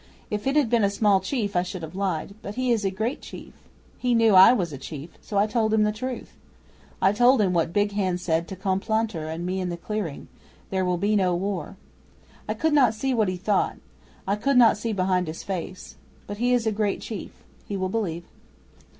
If he had been a small chief I should have lied. But he is a great chief. He knew I was a chief, so I told him the truth. I told him what Big Hand said to Cornplanter and me in the clearing 'There will be no war.' I could not see what he thought. I could not see behind his face. But he is a great chief. He will believe."